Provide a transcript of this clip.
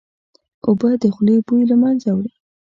اوبه د خولې بوی له منځه وړي